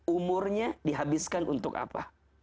umurnya dihabiskan untuk apa